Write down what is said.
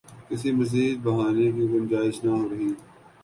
کسی مزید بہانے کی گنجائش نہ رہی۔